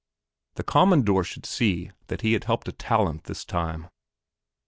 The "Commandor" should see that he had helped a talent this time.